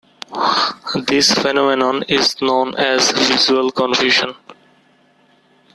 This phenomenon is known as 'visual confusion'.